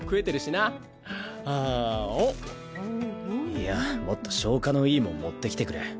いやもっと消化のいいもん持ってきてくれ。